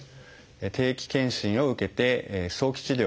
定期健診を受けて早期治療